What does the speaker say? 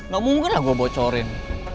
gak mungkin lah gue bocorin